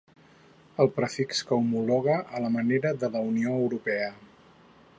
El prefix que homologa a la manera de la Unió Europea.